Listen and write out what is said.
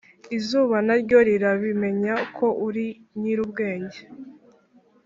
Izuba naryo rirabimenya ko uri nyirubwenge